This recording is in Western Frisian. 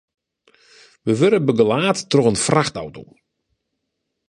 We wurde begelaat troch in frachtauto.